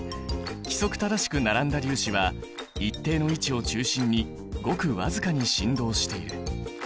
規則正しく並んだ粒子は一定の位置を中心にごく僅かに振動している。